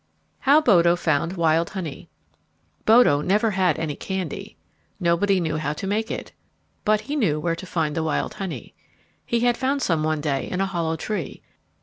How Bodo Found Wild Honey Bodo never had any candy. Nobody knew how to make it. But he knew where to find the wild honey. He had found some one day in a hollow tree.